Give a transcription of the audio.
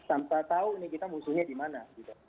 tanpa tahu ini kita musuhnya di mana